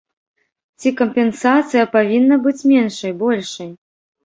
Ці кампенсацыя павінна быць меншай, большай?